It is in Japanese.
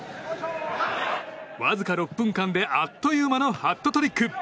わずか６分間であっという間のハットトリック。